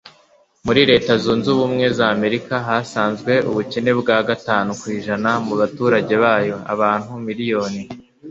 muri leta zunze ubumwe za amerika hasanzwe ubukene bwa .gatanu kw'ijana mu baturage bayo (abantu miliyoni .)